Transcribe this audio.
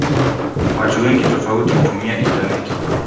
Watu wengi tofauti hutumia intaneti.